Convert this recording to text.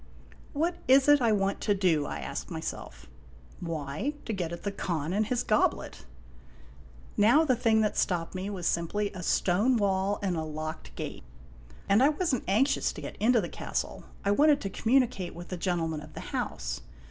"What is it I want to do?" I asked myself. "Why, to get at the Khan and his goblet." Now, the thing that stopped me was simply a stone wall and a locked gate ; and I was n't anxious to get into the castle. 1 wanted to communicate with the orentleman of <_> the house.